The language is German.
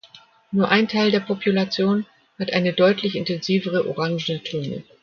Nur ein Teil der Population hat eine deutlich intensivere orange Tönung.